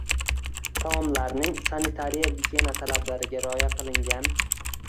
Taomlarning sanitariya-gigiyena talablariga rioya qilingan